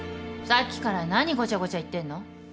さっきから何ごちゃごちゃ言ってんの。